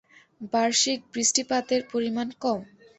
বার্ষিক বৃষ্টিপাতের পরিমাণ কম।